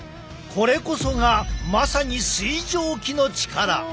これこそがまさに水蒸気の力。